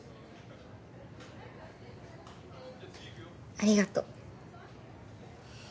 ありがとう。